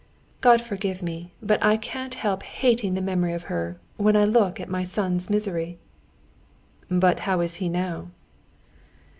God forgive me, but I can't help hating the memory of her, when I look at my son's misery!" "But how is he now?"